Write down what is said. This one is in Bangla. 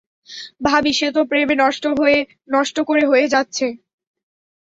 ভাবি, সে তো প্রেমে নষ্ট করে হয়ে যাচ্ছে!